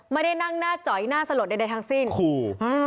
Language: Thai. ไม่ได้นั่งหน้าจอยหน้าสลดใดทั้งสิ้นขู่